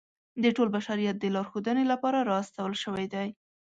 د ټول بشریت د لارښودنې لپاره را استول شوی دی.